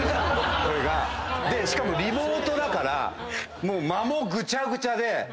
しかもリモートだから間もぐちゃぐちゃで。